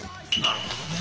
なるほどね。